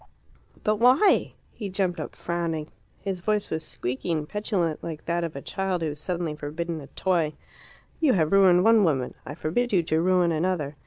"But why?" He jumped up, frowning. His voice was squeaky and petulant, like that of a child who is suddenly forbidden a toy. "You have ruined one woman; I forbid you to ruin another.